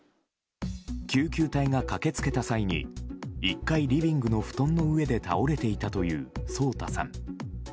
救急隊が駆け付けた際に１階リビングの布団の上で倒れていたという颯太さん。